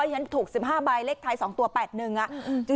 ที่ฉันถูกสิบห้าใบเลขไทยสองตัวแปดนึงอ่ะอืม